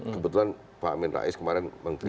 kebetulan pak amin rais kemarin mengkritik